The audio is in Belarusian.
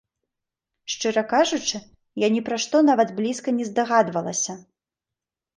Шчыра кажучы, я ні пра што нават блізка не здагадвалася!